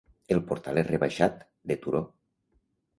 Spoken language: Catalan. El portal és rebaixat, de turó.